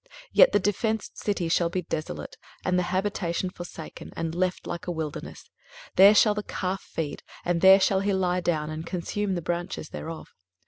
23:027:010 Yet the defenced city shall be desolate, and the habitation forsaken, and left like a wilderness: there shall the calf feed, and there shall he lie down, and consume the branches thereof.